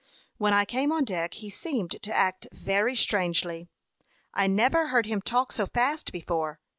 When I came on deck he seemed to act very strangely. I never heard him talk so fast before.